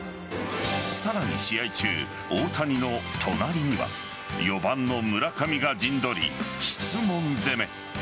さらに試合中、大谷の隣には４番の村上が陣取り、質問攻め。